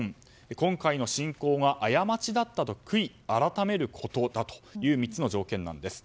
今回の侵攻が過ちだったと悔い改めることだという３つの条件です。